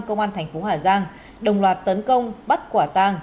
công an thành phố hà giang đồng loạt tấn công bắt quả tàng